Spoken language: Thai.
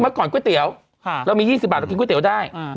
เมื่อก่อนก๋วยเตี๋ยวค่ะเรามียี่สิบบาทเรากินก๋วยเตี๋ยวได้อ่า